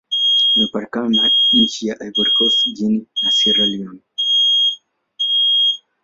Imepakana na nchi za Ivory Coast, Guinea, na Sierra Leone.